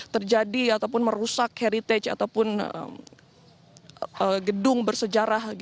terjadi ataupun merusak heritage ataupun gedung bersejarah